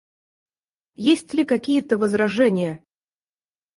Есть ли какие-то возражения?